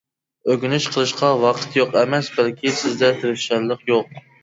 ئۆگىنىش قىلىشقا ۋاقىت يوق ئەمەس، بەلكى سىزدە تىرىشچانلىق يوق.